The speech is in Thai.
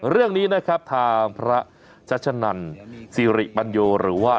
เรื่องนี้นะครับทางพระชัชนันสิริปัญโยหรือว่า